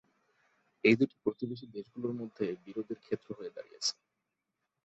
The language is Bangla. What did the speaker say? এটি দুটি প্রতিবেশী দেশগুলোর মধ্যে বিরোধের ক্ষেত্র হয়ে দাঁড়িয়েছে।